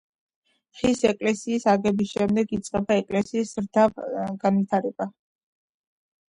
ხის ეკლესიის აგების შემდეგ იწყება ეკლესიის ზრდა ვა განვითარება.